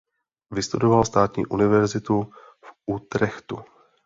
Vystudoval Státní univerzitu v Utrechtu.